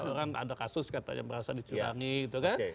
orang ada kasus katanya merasa dicurangi gitu kan